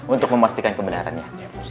untuk memastikan kebenarannya